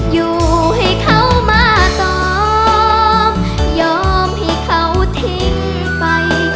อยู่ให้เขามาตอบยอมให้เขาทิ้งไป